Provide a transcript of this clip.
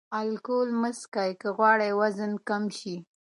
الکول مه څښئ که غواړئ وزن کم شي.